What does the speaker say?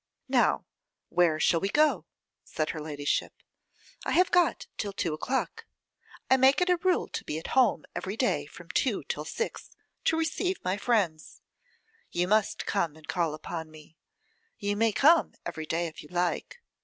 'Now, where shall we go?' said her ladyship; 'I have got till two o'clock. I make it a rule to be at home every day from two till six, to receive my friends. You must come and call upon me. You may come every day if you like.